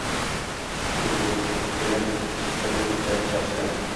Ko‘p zo‘r kelib shiddatu shashti